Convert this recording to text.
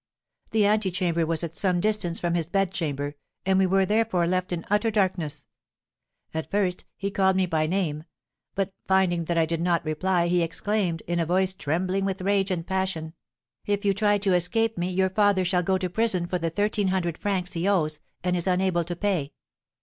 The antechamber was at some distance from his bedchamber, and we were, therefore, left in utter darkness. At first he called me by name; but, finding that I did not reply, he exclaimed, in a voice trembling with rage and passion, 'If you try to escape from me, your father shall go to prison for the thirteen hundred francs he owes, and is unable to pay.'